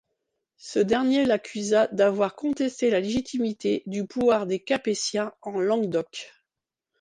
Ce dernier l'accusa d'avoir contesté la légitimité du pouvoir des Capétiens en Languedoc.